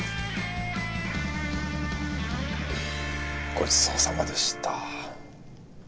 ごちそうさまでした。